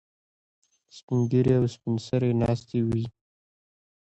سپین ږیري او سپین سرې ناستې وي.